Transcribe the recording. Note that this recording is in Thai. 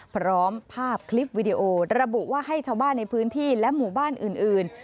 พร้อมภาพคลิปวิดีโอระบุว่าให้ชาวบ้านในพื้นที่และหมู่บ้านอื่น